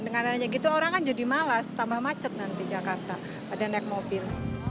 dengan adanya gitu orang kan jadi malas tambah macet nanti jakarta pada naik mobil